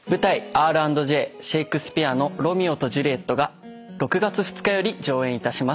『Ｒ＆Ｊ／シェイクスピアのロミオとジュリエット』が６月２日より上演いたします。